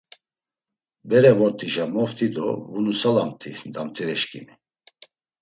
Bere vort̆işa, moft̆i do vunusalamt̆i damtireşǩimi!